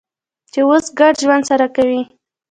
چې اوس ګډ ژوند سره کوي.